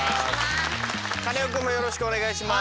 カネオくんもよろしくお願いします。